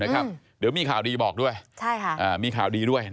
ถ้าครับว่ามีข่าวดีออกมา